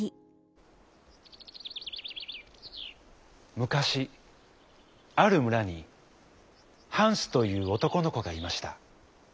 むかしあるむらにハンスというおとこのこがいました。